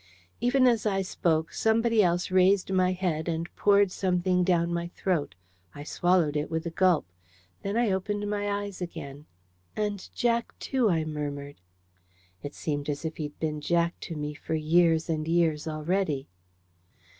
Even as I spoke, somebody else raised my head and poured something down my throat. I swallowed it with a gulp. Then I opened my eyes again. "And Jack, too," I murmured. It seemed as if he'd been "Jack" to me for years and years already.